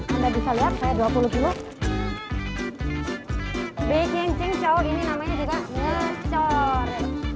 anda bisa lihat saya dua puluh juta bikin jengkol ini namanya juga ngecor